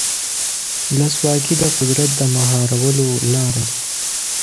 ولسواکي د قدرت د مهارولو لاره ده.